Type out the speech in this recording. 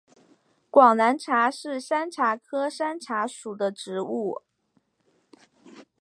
广南茶是山茶科山茶属的植物。